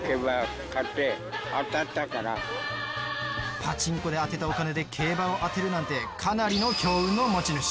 パチンコで当てたお金で競馬を当てるなんてかなりの強運の持ち主。